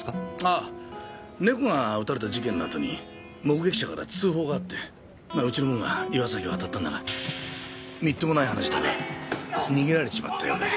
あぁ猫が撃たれた事件の後に目撃者から通報があってうちの者が岩崎を当たったんだがみっともない話だが逃げられちまったようで。